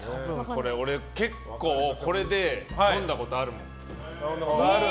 これ俺結構これで飲んだことあるもん。